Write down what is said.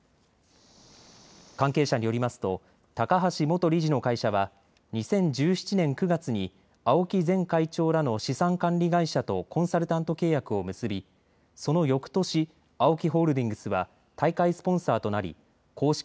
関係者によりますと高橋元理事の会社は２０１７年９月に青木前会長らの資産管理会社とコンサルタント契約を結びそのよくとし、ＡＯＫＩホールディングスは大会スポンサーとなり公式